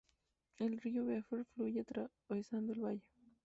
El río Bear fluye atravesando el valle.